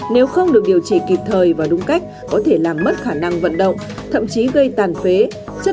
nếu không được điều trị kịp thời và đúng cách có thể làm mất khả năng vận động thậm chí gây tàn phế